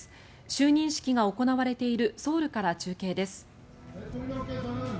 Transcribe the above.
就任式が行われているソウルから中継です。